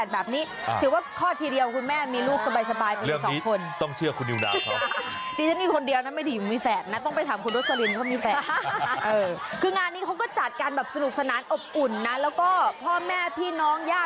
มักแตกกระจองงองแยง